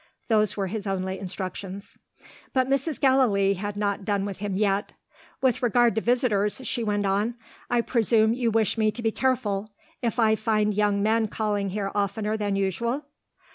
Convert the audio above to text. Those were his only instructions. But Mrs. Gallilee had not done with him yet. "With regard to visitors," she went on, "I presume you wish me to be careful, if I find young men calling here oftener than usual?"